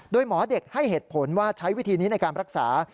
โดยหมอเด็กให้เหตุผลว่าใช้วิธีนี้ในการรักษา